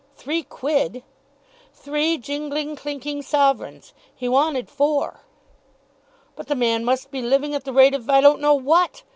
Three quid!" "Three jingling, clinking sovereigns. He wanted four." "But the man must be living at the rate of I don't know what.